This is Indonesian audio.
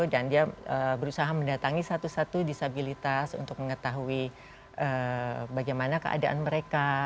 dan dia berusaha mendatangi satu satu disabilitas untuk mengetahui bagaimana keadaan mereka